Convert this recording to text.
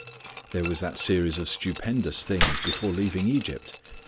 There was that series of stupendous things before leaving Egypt.